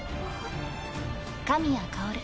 神谷薫。